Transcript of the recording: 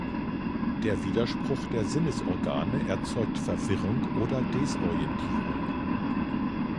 Der Widerspruch der Sinnesorgane erzeugt Verwirrung oder Desorientierung.